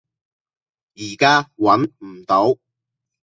依家揾唔到